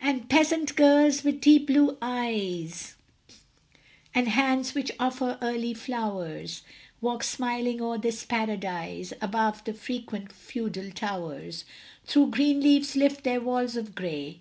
And peasant girls, with deep blue eyes, And hands which offer early flowers, Walk smiling o'er this paradise; Above, the frequent feudal towers Through green leaves lift their walls of gray.